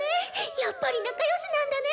やっぱり仲良しなんだね。